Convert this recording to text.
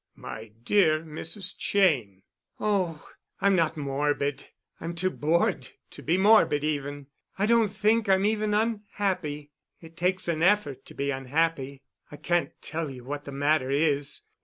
"My dear Mrs. Cheyne——" "Oh, I'm not morbid. I'm too bored to be morbid even. I don't think I'm even unhappy. It takes an effort to be unhappy. I can't tell you what the matter is.